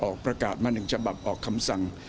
ออกประกาศมา๑ฉบับออกคำสั่ง